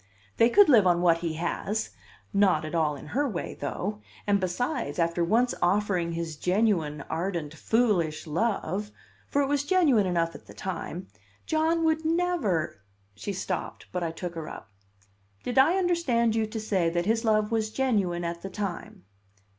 They could live on what he has not at all in her way, though and besides, after once offering his genuine, ardent, foolish love for it was genuine enough at the time John would never " She stopped; but I took her up. "Did I understand you to say that his love was genuine at the lime?"